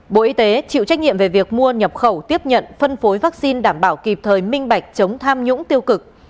bộ y tế chịu trách nhiệm về việc mua nhập khẩu tiếp nhận phân phối vaccine đảm bảo kịp thời minh bạch chống tham nhũng tiêu cực